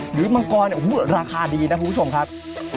มังกรราคาดีนะคุณผู้ชมครับ